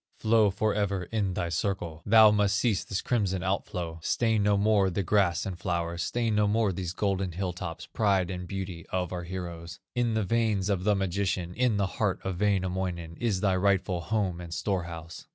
Flow forever in thy circle; Thou must cease this crimson out flow; Stain no more the grass and flowers, Stain no more these golden hill tops, Pride and beauty of our heroes. In the veins of the magician, In the heart of Wainamoinen, Is thy rightful home and storehouse.